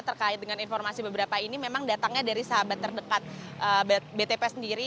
terkait dengan informasi beberapa ini memang datangnya dari sahabat terdekat btp sendiri